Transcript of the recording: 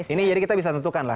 ini jadi kita bisa tentukan lah